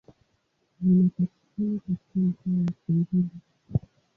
Linapatikana katika mkoa wa Singida.